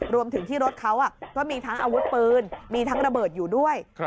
รวมถึงที่รถเขาก็มีทั้งอาวุธปืนมีทั้งระเบิดอยู่ด้วย